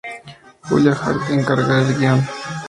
Julia Hart encargará del guion.